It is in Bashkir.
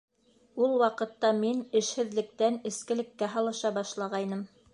Ул ваҡытта мин эшһеҙлектән эскелеккә һалыша башлағайным.